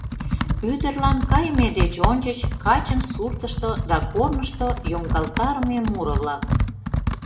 Ӱдырлан кайыме деч ончыч качын суртышто да корнышто йоҥгалтарыме муро-влак.